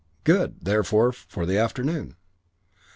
Good, therefore, for the afternoon.